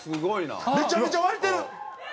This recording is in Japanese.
めちゃめちゃ割れてる！